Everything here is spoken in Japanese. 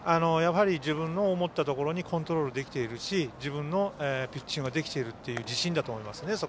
自分の思ったところにコントロールできているし自分のピッチングができているという自信だと思います。